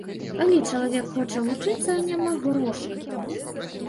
Калі чалавек хоча вучыцца, а няма грошай?